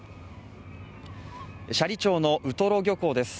斜里町のウトロ漁港です